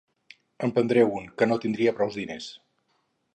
En prendré un, que no tindria prous diners.